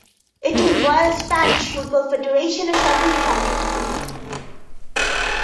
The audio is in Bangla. এটি রয়্যাল স্প্যানিশ ফুটবল ফেডারেশনের সাথে সংযুক্ত।